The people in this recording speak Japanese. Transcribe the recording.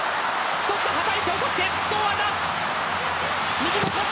一つはたいて落として堂安だ。